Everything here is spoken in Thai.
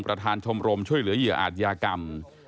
ประธานชมรมช่วยเหลือเหยื่ออาจยากรรม